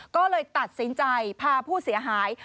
ก็เลยตัดสินใจพาผู้เสียหาย